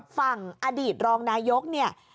ฝั่งอดีตรองนายกเนี่ย